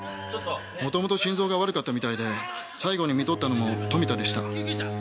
元々心臓が悪かったみたいで最期に看取ったのも富田でした。